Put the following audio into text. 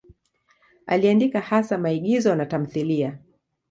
Aliandika hasa maigizo na tamthiliya.